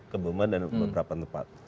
kebumen dan beberapa tempat